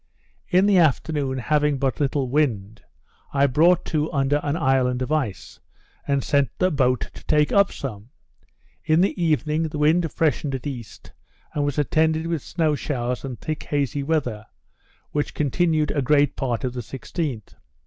In the afternoon having but little wind, I brought to under an island of ice, and sent a boat to take up some. In the evening the wind freshened at east, and was attended with snow showers and thick hazy weather, which continued great part of the 16th.